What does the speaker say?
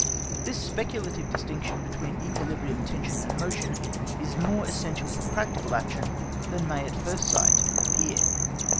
This speculative distinction between equilibrium, tension, and motion is more essential for practical action than may at first sight appear.